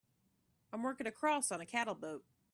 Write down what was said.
I'm working across on a cattle boat.